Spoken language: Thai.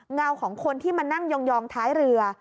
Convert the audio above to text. เงาของคนที่มานั่งยองท้ายเรือ